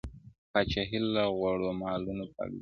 پاچهۍ له غوړه مالو پرزېدلي٫